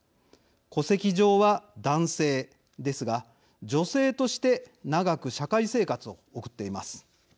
戸籍上は男性ですが女性として長く社会生活を送っています。